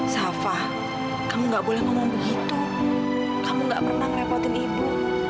safa kamu gak boleh ngomong begitu kamu gak pernah ngerepotin ibu